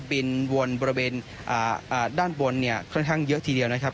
บินวนบริเวณด้านบนเนี่ยค่อนข้างเยอะทีเดียวนะครับ